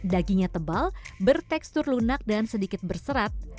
dagingnya tebal bertekstur lunak dan sedikit berserat